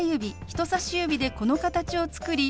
人さし指でこの形を作り